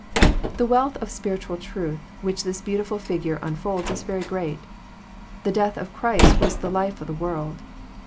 The wealth of spiritual troth which this beautifhl figure un folds is very great. The de&th of Christ was the life of the world.